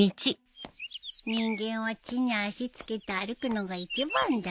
人間は地に足着けて歩くのが一番だよ。